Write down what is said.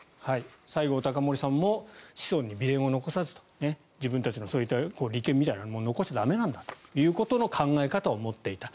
西郷隆盛さんも子孫に美田を残さずと自分たちのそういった利権みたいなものは残しちゃいけないんだということの考え方を持っていた。